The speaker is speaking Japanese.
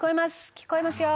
聞こえますよ」